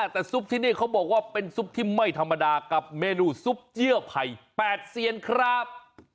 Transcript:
แต่ซุปที่นี่เขาบอกว่าเป็นซุปที่ไม่ธรรมดากับเมนูซุปเยื่อไผ่๘เซียนครับ